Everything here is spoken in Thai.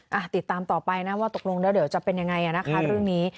ติดตามต่อไปนะว่าตกลงแล้วเดี๋ยวจะเป็นยังไงอ่ะนะคะเรื่องนี้